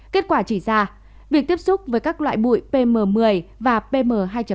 kết quả chỉ ra việc tiếp xúc với các loại bụi pm một mươi và pm hai